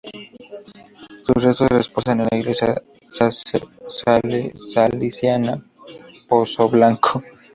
Sus restos reposan en la iglesia salesiana de Pozoblanco.